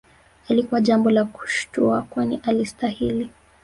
Halikuwa jambo la kushtua kwani alistahili